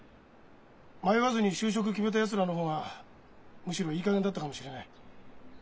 迷わずに就職決めたやつらの方がむしろいいかげんだったかもしれない。